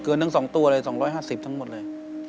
ทั้ง๒ตัวเลย๒๕๐ทั้งหมดเลย